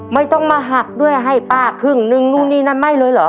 ไม่ต้องมาหักด้วยให้ป้าครึ่งนึงนู่นนี่นั่นไม่เลยเหรอ